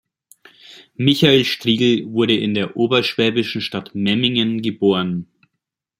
Michael Strigel wurde in der oberschwäbischen Stadt Memmingen geboren.